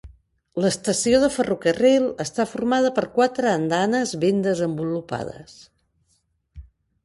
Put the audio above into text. L'estació de ferrocarril està formada per quatre andanes ben desenvolupades.